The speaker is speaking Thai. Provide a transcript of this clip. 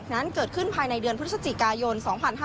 นั้นเกิดขึ้นภายในเดือนพฤศจิกายน๒๕๕๙